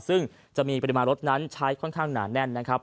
ซึ่งจะมีปริมาณรถนั้นใช้ค่อนข้างหนาแน่นนะครับ